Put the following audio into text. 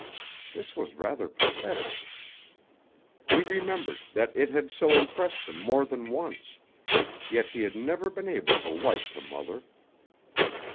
This was rather pathetic. He remembered that it had so impressed him more than once. Yet he had never been able to like the mother.